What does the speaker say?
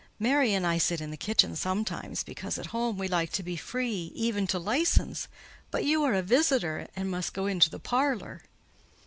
Mary and I sit in the kitchen sometimes, because at home we like to be free, even to license—but you are a visitor, and must go into the parlour."